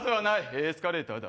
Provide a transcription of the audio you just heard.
エスカレーターだ。